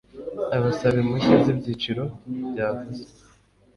Abasaba impushya z ibyiciro byavuzwe